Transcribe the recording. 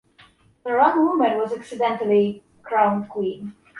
The wrong woman was accidentally crowned queen.